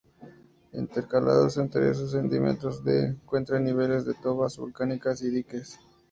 Intercalados entre esos sedimentos se encuentran niveles de tobas volcánicas y diques.